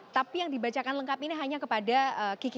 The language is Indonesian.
tapi yang dibacakan lengkap ini hanya kepada kiki